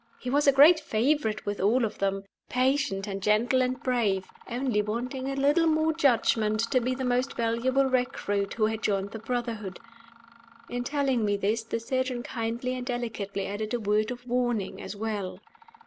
He was a great favorite with all of them; patient and gentle and brave; only wanting a little more judgment to be the most valuable recruit who had joined the brotherhood. In telling me this, the surgeon kindly and delicately added a word of warning as well.